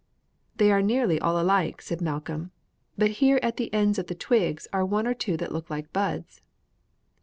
"They are nearly all alike," said Malcolm, "but here at the ends of the twigs are one or two that look like buds."'